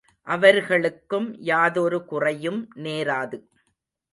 அவர்களுக்கும் யாதொரு குறையும் நேராது.